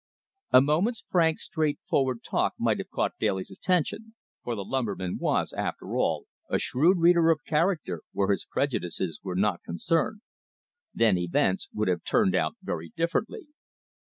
A moment's frank, straightforward talk might have caught Daly's attention, for the lumberman was, after all, a shrewd reader of character where his prejudices were not concerned. Then events would have turned out very differently.